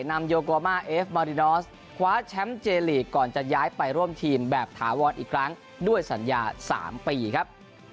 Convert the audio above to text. นำคว้าแชมป์เจรีย์ลีกก่อนจะย้ายไปร่วมทีมแบบถาวรอีกครั้งด้วยสัญญาสามปีครับ